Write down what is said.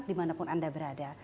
dimana pun anda berada